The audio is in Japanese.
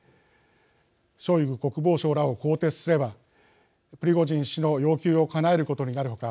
ショイグ国防相らを更迭すればプリゴジン氏の要求をかなえることになる他